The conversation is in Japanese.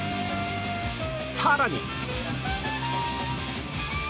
更に。